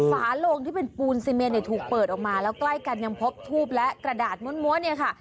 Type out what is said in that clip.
ฝาโลงที่เป็นปูนซีเมนเนี่ยถูกเปิดออกมาแล้วใกล้กันยังพบทูบและกระดาษม้วนเนี่ยค่ะ